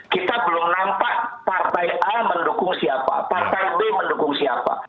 kita belum nampak partai a mendukung siapa partai b mendukung siapa